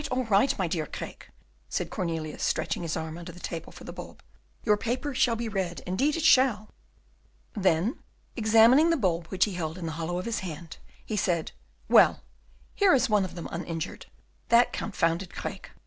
all right! my dear Craeke," said Cornelius, stretching his arm under the table for the bulb; "your paper shall be read, indeed it shall." Then, examining the bulb which he held in the hollow of his hand, he said: "Well, here is one of them uninjured. That confounded Craeke!